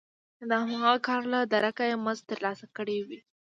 د هماغه کار له درکه یې مزد ترلاسه کړی وي